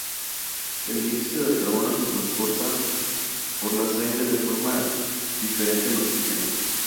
El dióxido de carbono se transporta por la sangre de forma diferente al oxígeno.